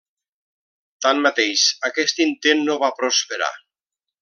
Tanmateix aquest intent no va prosperar.